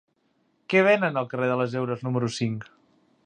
Què venen al carrer de les Heures número cinc?